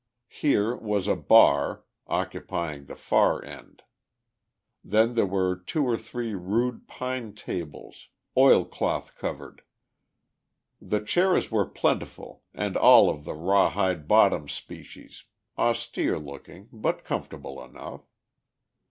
Here was a bar, occupying the far end. Then there were two or three rude pine tables, oil cloth covered. The chairs were plentiful and all of the rawhide bottom species, austere looking, but comfortable enough.